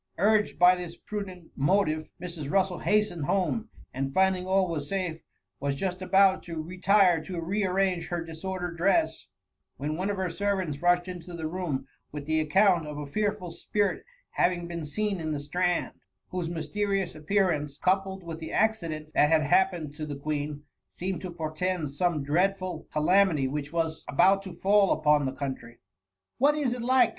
Urged by this prudent motive, Mrs. Russel hastened home, aod finding all safe, was just about to retire to re arrange her disordered dress, when one of the servants rushed into the room with the account of a fearful spirit having been seen in the Strand, whose mysterious appearance, coupled with the accident that had happened to the Queen, seemed to portend some dreadful ca lamity which was about to fall upon the country. "What is it like?''